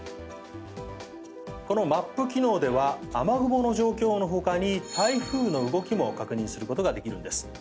このマップ機能では雨雲の状況の他に台風の動きも確認することができるんです。